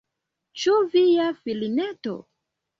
Ĉu via filineto?